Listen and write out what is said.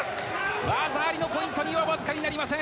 技ありのポイントにはわずかになりません。